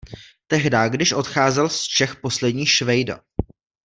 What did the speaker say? Tehdá, když odcházel z Čech poslední Švejda.